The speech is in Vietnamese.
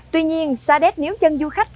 tuy nhiên sa đét níu chân du khách